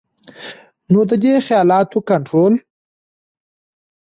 نو د دې خيالاتو کنټرول